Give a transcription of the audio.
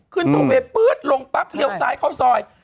ขึ้นโทเวปื๊ดลงปั๊บเรียวซ้ายเข้าซอย